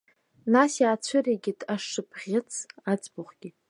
Нас иаацәыригеит ашшыԥхьыӡ аӡбахәгьы.